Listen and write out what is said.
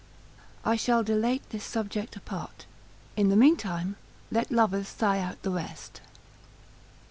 I shall dilate this subject apart; in the meantime let lovers sigh out the rest.